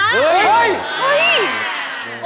เฮ้ยเฮ้ย